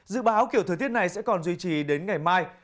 dự báo kiểu thời tiết này sẽ còn duy trì đến ngày mai